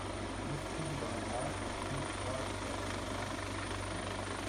neuf rue Dubrana, trente-trois, trois cent vingt, Eysines